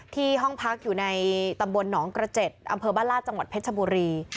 ห้องพักอยู่ในตำบลหนองกระเจ็ดอำเภอบ้านลาดจังหวัดเพชรบุรี